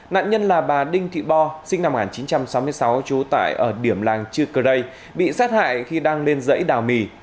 nạn nhân là bà đinh thị bo sinh năm một nghìn chín trăm sáu mươi sáu trú tại ở điểm làng chư cơ rây bị sát hại khi đang lên dãy đào mì